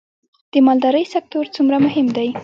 د مالدارۍ سکتور څومره مهم دی؟